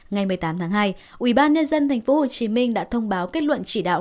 ngày một mươi tám tháng hai ubnd tp hcm đã thông báo kết luận chỉ đạo